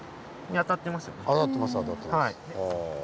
当たってます。